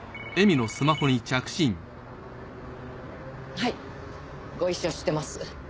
はいご一緒してます。